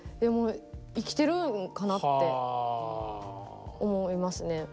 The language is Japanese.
生きてるんかなって思いますね。